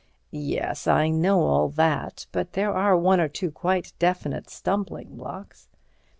"Yes, I know all that. But there are one or two quite definite stumbling blocks."